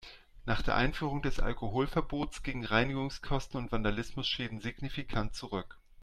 Nach der Einführung des Alkoholverbots gingen Reinigungskosten und Vandalismusschäden signifikant zurück.